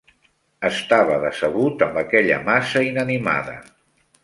Estava decebut amb aquella massa inanimada.